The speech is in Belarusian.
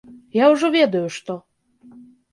Я ўжо ведаю, што.